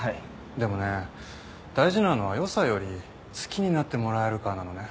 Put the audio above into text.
でもね大事なのは良さより好きになってもらえるかなのね。